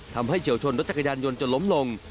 เฉียวชนรถจักรยานยนต์จนล้มลง